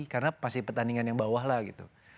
karena pasti pertandingan yang bawah lah gitu